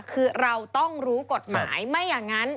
คือเราต้องรู้กฎหมาย